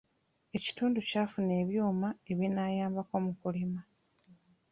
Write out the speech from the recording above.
Ekitundu kyafuna ebyuma ebinaayambako mu kulima.